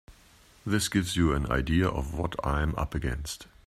That gives you an idea of what I'm up against.